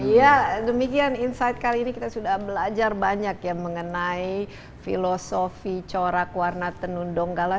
ya demikian insight kali ini kita sudah belajar banyak ya mengenai filosofi corak warna tenun donggala